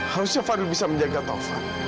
harusnya fadil bisa menjaga taufan